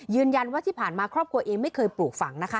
ยืนยันว่าที่ผ่านมาครอบครัวเองไม่เคยปลูกฝังนะคะ